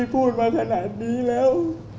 พูดมาขนาดนี้แล้ว